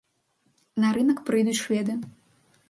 На рынак прыйдуць шведы.